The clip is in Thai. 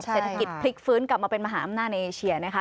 เศรษฐกิจพลิกฟื้นกลับมาเป็นมหาอำนาจในเอเชียนะคะ